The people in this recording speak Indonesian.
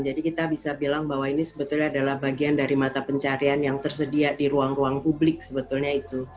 jadi kita bisa bilang bahwa ini sebetulnya adalah bagian dari mata pencarian yang tersedia di ruang ruang publik sebetulnya itu